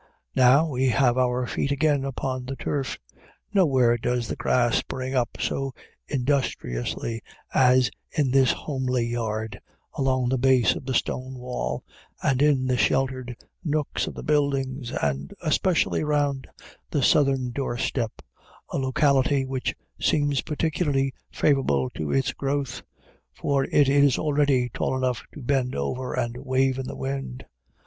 Now we have our feet again upon the turf. Nowhere does the grass spring up so industriously as in this homely yard, along the base of the stone wall and in the sheltered nooks of the buildings, and especially around the southern door step a locality which seems particularly favorable to its growth, for it is already tall enough to bend over and wave in the wind.